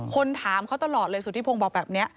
ถามเขาตลอดเลยสุธิพงศ์บอกแบบนี้